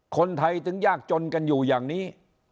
คนไทยถึงยากจนกันอยู่อย่างนี้